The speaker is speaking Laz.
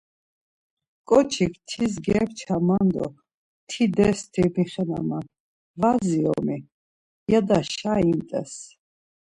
Ǩoçik tis gemçaman do ti detsi mixenaman, var dziromi? ya do şa imt̆es.